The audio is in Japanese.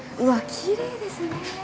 きれいですね。